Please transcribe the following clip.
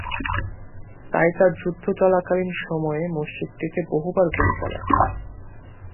তাই তার যুদ্ধ চলাকালীন সময়ে মসজিদটিতে বহুবার গুলি চালায়।